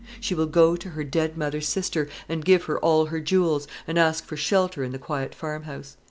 She will go to her dead mother's sister, and give her all her jewels, and ask for shelter in the quiet farmhouse.